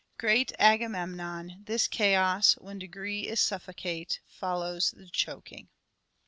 Great Agamemnon, This chaos when degree is suffocate, Follows the choking."